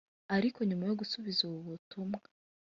ariko nyuma yo gusubiza ubu butumwa